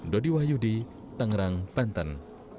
dodi wahyudi tangerang banten